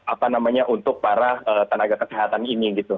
apa namanya untuk para tenaga kesehatan ini gitu